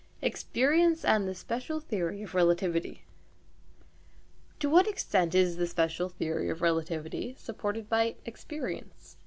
EXPERIENCE AND THE SPECIAL THEORY OF RELATIVITY To what extent is the special theory of relativity supported by experience?